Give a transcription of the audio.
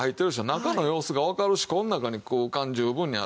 中の様子がわかるしこの中に空間十分にあるし